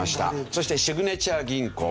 そしてシグネチャー銀行も。